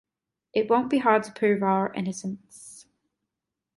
It won’t be hard to prove our innocence.